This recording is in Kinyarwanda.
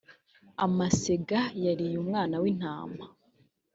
amasega yariye umwana w’intama